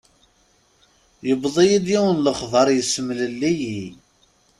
Yewweḍ-iyi-d yiwen n lexbar, yessemlelli-yi.